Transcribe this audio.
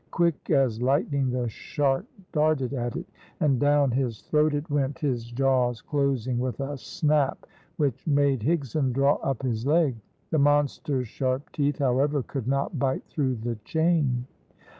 Quick as lightning the shark darted at it, and down his throat it went, his jaws closing with a snap which made Higson draw up his leg. The monster's sharp teeth, however, could not bite through the chain.